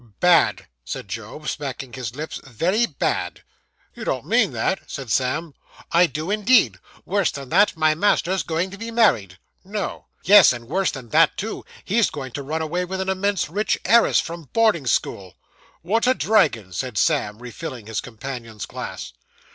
'Bad,' said Job, smacking his lips, 'very bad.' 'You don't mean that?' said Sam. 'I do, indeed. Worse than that, my master's going to be married.' 'No.' 'Yes; and worse than that, too, he's going to run away with an immense rich heiress, from boarding school.' 'What a dragon!' said Sam, refilling his companion's glass.